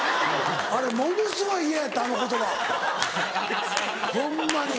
あれものすごい嫌やったあの言葉ホンマに。